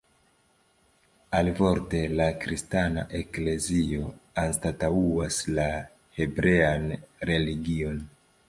Alivorte, la kristana eklezio anstataŭas la hebrean religion.